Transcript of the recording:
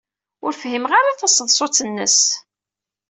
Ur fhimeɣ ara taseḍsut-nnes.